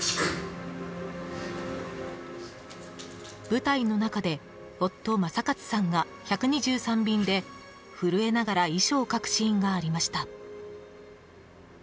舞台の中で、夫・正勝さんが１２３便で、震えながら遺書を書くシーンがありました。